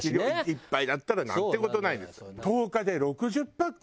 １杯だったらなんて事ないです。